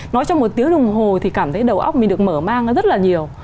nói cho một tiếng đồng hồ thì cảm thấy đầu óc mình được mở mang ra rất là nhiều